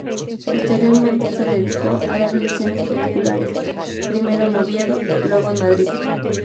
Posteriormente se dedicó a dar lecciones particulares; primero en Oviedo, luego en Madrid.